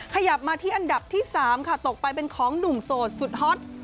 ขยับมาที่อันดับที่๓ค่ะตกไปเป็นของหนุ่มโสดสุดฮอต